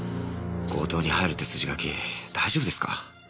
強盗に入るって筋書き大丈夫ですか？